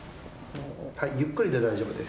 ゆっくりで大丈夫です。